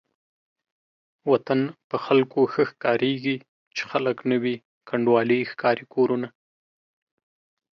وطن په خلکو ښه ښکاريږي چې خلک نه وي کنډوالې ښکاري کورونه